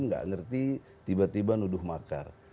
nggak ngerti tiba tiba nuduh makar